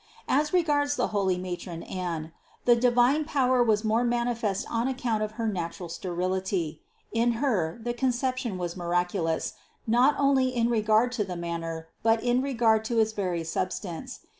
As regards the holy matron Anne, the divine power was more manifest on account of her natural sterility ; in her the Conception was mirac ulous, not only in regard to the manner, but in regard to its very substance.